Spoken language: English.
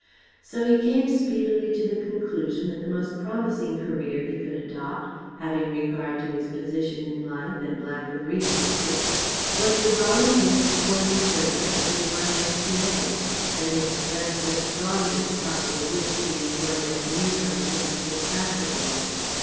So he came speedily to the conclusion that the most promising career he could adopt, having regard to his position in life and lack of resources, was to volunteer for foreign service under the Y.M.C.A., and express the strongest possible wish to be employed as near Belgium as was practicable.